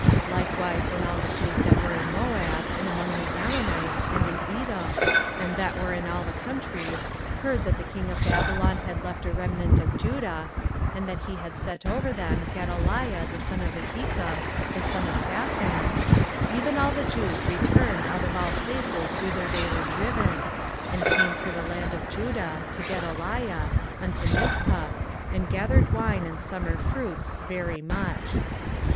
24:040:011 Likewise when all the Jews that were in Moab, and among the Ammonites, and in Edom, and that were in all the countries, heard that the king of Babylon had left a remnant of Judah, and that he had set over them Gedaliah the son of Ahikam the son of Shaphan; 24:040:012 Even all the Jews returned out of all places whither they were driven, and came to the land of Judah, to Gedaliah, unto Mizpah, and gathered wine and summer fruits very much.